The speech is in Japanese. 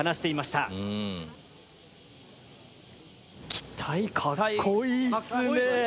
機体かっこいいっすね。